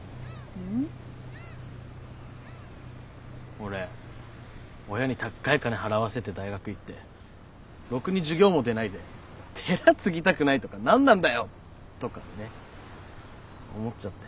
俺親にたっかい金払わせて大学行ってろくに授業も出ないで寺継ぎたくないとか何なんだよとかね思っちゃって。